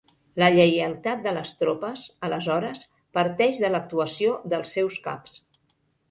La lleialtat de les tropes, aleshores, parteix de l'actuació dels seus caps.